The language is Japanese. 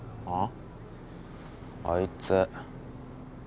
ああいつ。